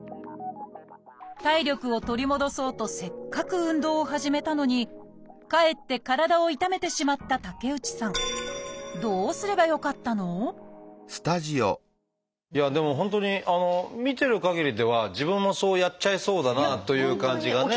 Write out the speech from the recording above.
体力を取り戻そうとせっかく運動を始めたのにかえって体を痛めてしまった竹内さんでも本当に見てるかぎりでは自分もそうやっちゃいそうだなという感じがね。